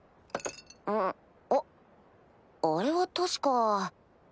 あっあれは確か。